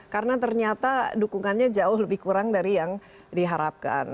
karena ternyata dukungannya jauh lebih kurang dari yang diharapkan